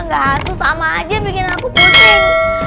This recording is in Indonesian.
gak hatu sama aja bikin aku pusing